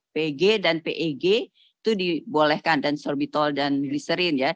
pg dan peg itu dibolehkan dan sorbitol dan gliserin